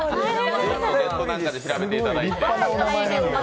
ネットなどで調べていただいて。